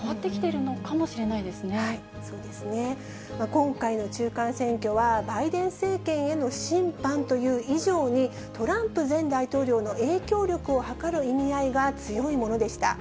今回の中間選挙は、バイデン政権への審判という以上に、トランプ前大統領の影響力をはかる意味合いが強いものでした。